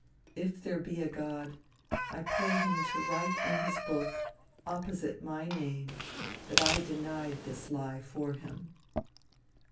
If there be a God, I pray him to write in his book, opposite my name, that I denied this lie for him.